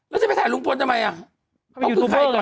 แล้วจะไปถ่ายลุงพลทำไมอ่ะเขาเป็นยูทูเปอร์หรอแม่